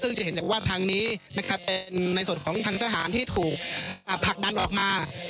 ซึ่งจะเห็นได้ว่าทางนี้นะครับเป็นในส่วนของทางทหารที่ถูกผลักดันออกมา